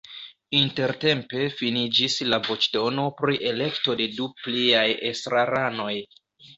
Intertempe finiĝis la voĉdono pri elekto de du pliaj estraranoj.